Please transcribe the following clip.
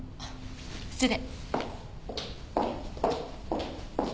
失礼。